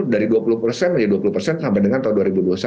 dua ribu dua puluh dari dua puluh sampai dua ribu dua puluh satu